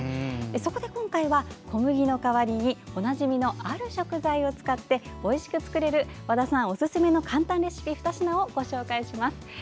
そこで今回は小麦の代わりにおなじみのある食材を使っておいしく作れる和田さんおすすめの簡単レシピ２品をご紹介します。